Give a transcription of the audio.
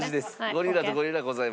ゴリラとゴリラございません。